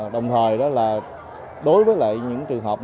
đồng thời đối với những trường hợp